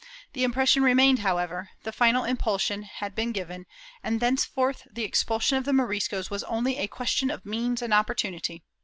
The impression remained, however; the final impulsion had been given, and thenceforth the expulsion of the Moriscos was only a question of means and opportunity.